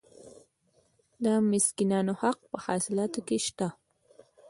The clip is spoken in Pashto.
د مسکینانو حق په حاصلاتو کې شته.